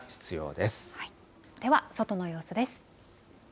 では外の様子です。